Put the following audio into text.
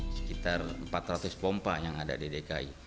sekitar empat ratus pompa yang ada di dki